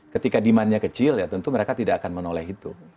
ketika demandnya kecil ya tentu mereka tidak akan menoleh itu